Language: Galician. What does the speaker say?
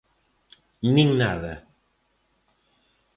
Nin nada.